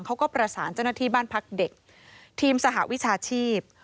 เขาก็ประสานเจ้าหน้าที่บ้านพักเด็กทีมสหวิชาชีพ